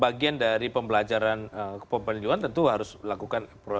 bagian dan pembelajaran pemiluan tentunya harus dilakukan secara komprehensif